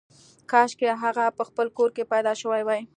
کاشکې هغه په خپل کور کې پاتې شوې وای